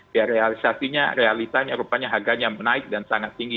biar realisasi realisanya rupanya harganya menaik dan sangat tinggi